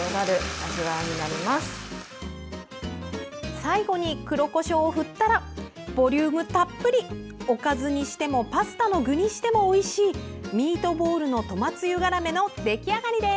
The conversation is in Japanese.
最後に黒こしょうを振ったらボリュームたっぷりおかずにしてもパスタの具にしてもおいしい「ミートボールのトマつゆがらめ」の出来上がりです。